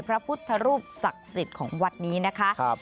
พระพุทธรูปศักดิ์สิทธิ์ของวัดนี้นะคะ